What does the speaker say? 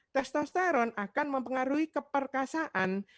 testosteron akan mempengaruhi keperkasaan